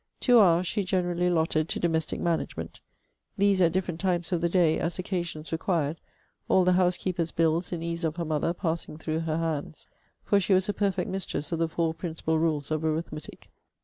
Two hours she generally allotted to domestic management. These, at different times of the day, as occasions required; all the housekeeper's bills, in ease of her mother, passing through her hands. For she was a perfect mistress of the four principal rules of arithmetic.